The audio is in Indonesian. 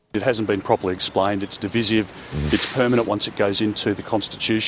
ini tidak terbuka dengan benar ini divisif ini permanen setelah masuk ke konstitusi